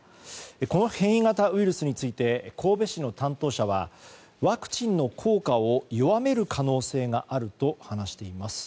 この変異型ウイルスについては神戸市の担当者はワクチンの効果を弱める可能性があると話しています。